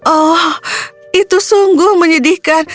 oh itu sungguh menyedihkan